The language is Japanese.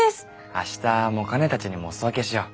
明日もか姉たちにもお裾分けしよう。